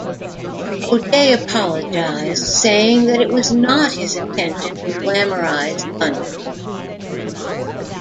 O'Dea apologised saying that it was not his intention to glamorise gun crime.